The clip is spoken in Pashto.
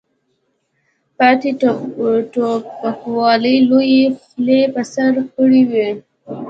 پاتې ټوپکوالو لویې خولۍ په سر کړې وې.